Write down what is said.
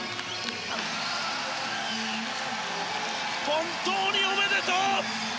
本当におめでとう！